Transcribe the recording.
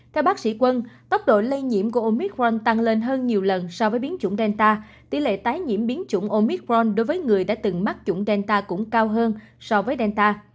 theo bác sĩ quân tốc độ lây nhiễm của omicron tăng lên hơn nhiều lần so với biến chủng delta tỷ lệ tái nhiễm biến chủng omicron đối với người đã từng mắc chủng delta cũng cao hơn so với delta